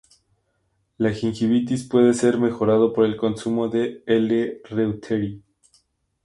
La Gingivitis puede ser mejorado por el consumo de "L. reuteri".